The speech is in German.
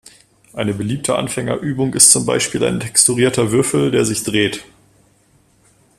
Eine beliebte Anfängerübung ist zum Beispiel ein texturierter Würfel, der sich dreht.